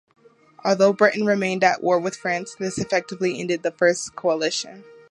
Although Britain remained at war with France, this effectively ended the First Coalition.